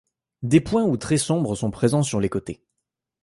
Des points ou traits sombres sont présents sur les côtés.